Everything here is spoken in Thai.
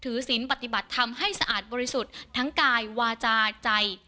ศิลปฏิบัติทำให้สะอาดบริสุทธิ์ทั้งกายวาจาใจ